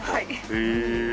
へえ。